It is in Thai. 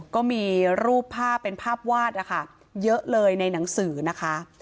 ก็มีรูปภาพเป็นภาพวาดนะคะเยอะเลยในหนังสือนะคะ